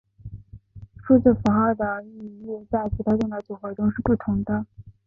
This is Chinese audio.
数字符号的语义在其特定的组合中是不同的。